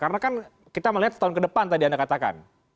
karena kan kita melihat setahun ke depan tadi anda katakan